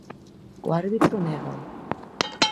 O árbitro négao.